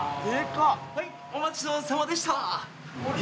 はいお待ちどおさまでした。